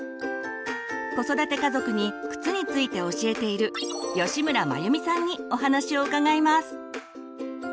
子育て家族に靴について教えている吉村眞由美さんにお話を伺います。